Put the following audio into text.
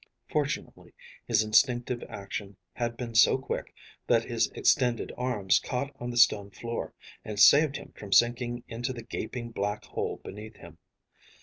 Fortunately, his instinctive action had been so quick that his extended arms caught on the stone floor and saved him from sinking into the gaping black hole beneath him.